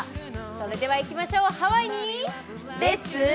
それではいきましょう、ハワイにレッツ！